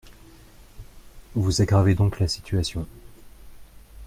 Vous aggravez donc la situation.